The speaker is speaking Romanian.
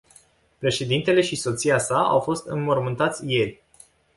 Președintele și soția sa au fost înmormântați ieri.